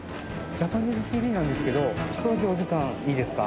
ジャパニーズＴＶなんですけどちょっとだけお時間いいですか？